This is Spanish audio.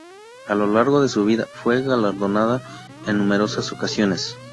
A lo largo de su vida, fue galardonada en numerosas ocasiones.